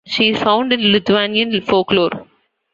She is found in Lithuanian folklore.